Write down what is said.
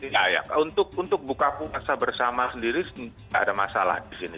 ya untuk buka puasa bersama sendiri tidak ada masalah di sini